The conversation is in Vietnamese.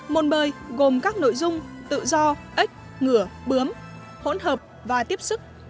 môn bơi gồm các nội dung tự do ếch ngửa bướm hỗn hợp và tiếp sức